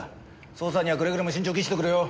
捜査にはくれぐれも慎重を期してくれよ！